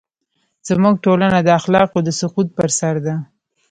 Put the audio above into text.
زموږ ټولنه د اخلاقو د سقوط پر سر ده.